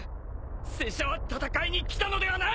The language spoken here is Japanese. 拙者は戦いに来たのではない！